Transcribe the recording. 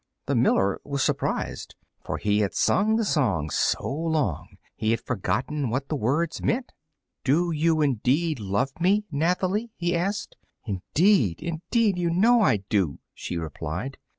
The miller was surprised, for he had sung the song so long he had forgotten what the words meant. "Do you indeed love me, Nathalie?" he asked. "Indeed, indeed! You know I do!" she replied.